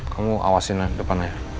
kamu awasin depannya